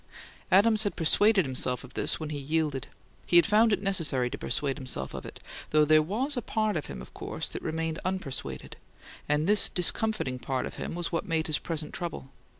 Adams had persuaded himself of this when he yielded; he had found it necessary to persuade himself of it though there was a part of him, of course, that remained unpersuaded; and this discomfiting part of him was what made his present trouble.